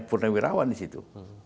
perni mirawan disitu